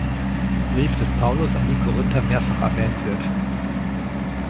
Brief des Paulus an die Korinther mehrfach erwähnt wird.